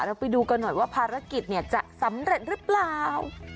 ไปดูกันหน่อยว่าภารกิจจะสำเร็จหรือเปล่า